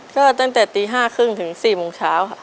ก็ตั้งแต่ตี๕๓๐ถึง๔โมงเช้าค่ะ